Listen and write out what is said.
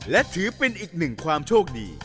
และถือเป็นอีกหนึ่งความโชคดี